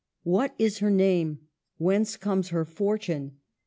What is her name ? Whence comes her fortune?